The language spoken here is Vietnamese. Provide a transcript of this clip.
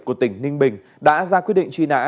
của tỉnh ninh bình đã ra quyết định truy nã